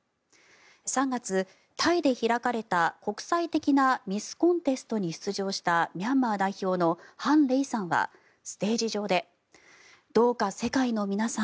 ３月、タイで開かれた国際的なミスコンテストに出場したミャンマー代表のハン・レイさんはステージ上でどうか世界の皆さん